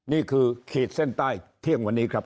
ขีดเส้นใต้เที่ยงวันนี้ครับ